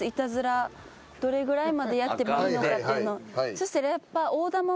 そしたらやっぱ。